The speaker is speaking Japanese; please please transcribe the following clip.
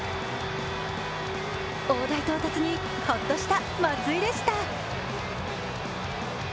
大台到達にホッとした松井でした。